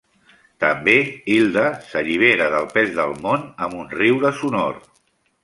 També Hilda s'allibera del pes del món amb un riure sonor.